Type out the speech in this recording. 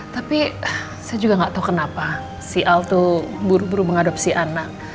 tapi saya juga gak tahu kenapa si al itu buru buru mengadopsi anak